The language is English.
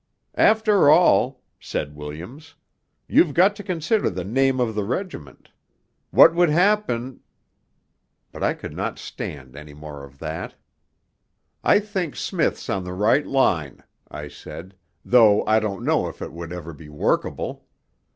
'After all,' said Williams, 'you've got to consider the name of the regiment. What would happen ' But I could not stand any more of that. 'I think Smith's on the right line,' I said, 'though I don't know if it would ever be workable.